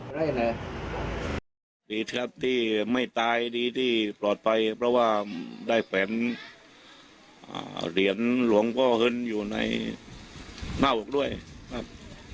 หลวงพ่อสังวัดหัวหลุงรับพิบูรและก็พระหลวงพ่อเงินวัดบังคลานครับ